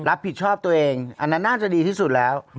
รับผิดชอบตัวเองอันนั้นน่าจะดีที่สุดแล้ว